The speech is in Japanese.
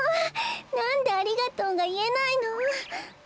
なんで「ありがとう」がいえないの？